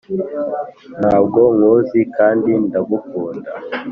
ntabwo nkuzi kandi ndagukunda.